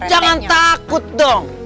jangan takut dong